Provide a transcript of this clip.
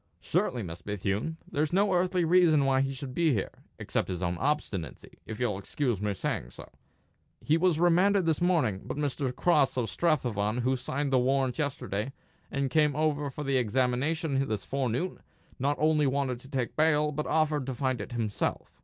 "Surely, Miss Bethune. There's no earthly reason why he should be here, except his own obstinacy, if you'll excuse my saying so. He was remanded this morning; but Mr. Cross of Strathavon, who signed the warrant yesterday, and came over for the examination this forenoon, not only wanted to take bail, but offered to find it himself.